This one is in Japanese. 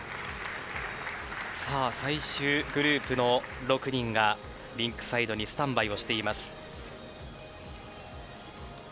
最終グループの６人がリンクサイドにスタンバイをしています。